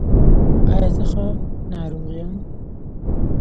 ایا زه ښه ناروغ یم؟